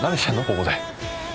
ここで。